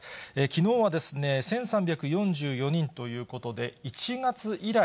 きのうは１３４４人ということで、１月以来、